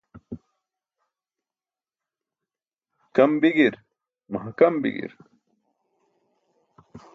Kam bi̇gi̇i̇r, mahkam bi̇gi̇i̇r.